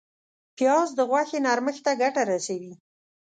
پیاز د غوښې نرمښت ته ګټه رسوي